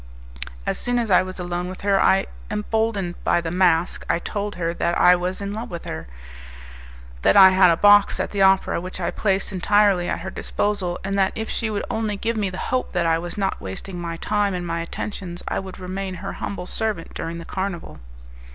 As soon as I was alone with her, emboldened by the mask, I told her that I was in love with her, that I had a box at the opera, which I placed entirely at her disposal, and that, if she would only give me the hope that I was not wasting my time and my attentions, I would remain her humble servant during the carnival.